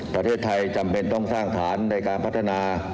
ประเทศไทยจำเป็นต้องสร้างฐานในการพัฒนา